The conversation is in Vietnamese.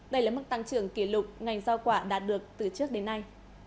đây là mức tăng trưởng kỷ lục ngành giao quả đạt được từ trước đến nay